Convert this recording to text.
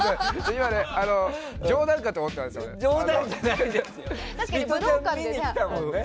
今、冗談かと思ったんですよね。